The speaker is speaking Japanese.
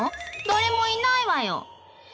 誰もいないわよ。